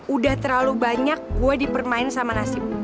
udah terlalu banyak gue dipermain sama nasib